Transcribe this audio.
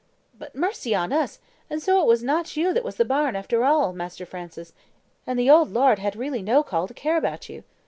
But, mercy on us! and so it was no you that was the bairn after all, Master Francis, and the old laird had really no call to care about you.